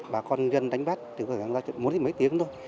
bà con ngư dân đánh bắt muốn đi mấy tiếng thôi